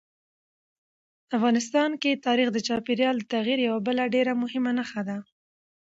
افغانستان کې تاریخ د چاپېریال د تغیر یوه بله ډېره مهمه نښه ده.